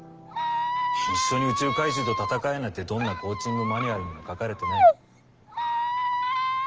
一緒に宇宙怪獣と戦えなんてどんなコーチングマニュアルにも書かれてない。